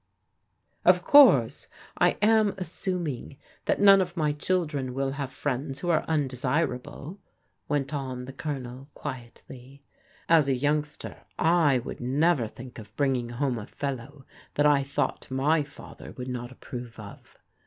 " Of course I am assuming that none of my children will have friends who are undesirable," went on the Colonel quietly. "As a yoimgster I would never think of bringing home a fellow that I thought my father would not approve of.